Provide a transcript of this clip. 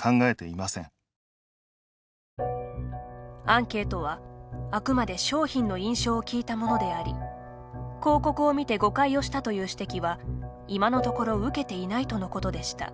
アンケートは、あくまで商品の印象を聞いたものであり広告を見て誤解をしたという指摘は今のところ受けていないとのことでした。